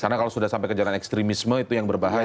karena kalau sudah sampai ke jalan ekstremisme itu yang berbahaya